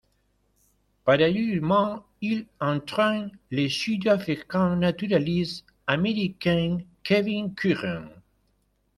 Parallèlement il entraine le Sud-Africain naturalisé américain Kevin Curren.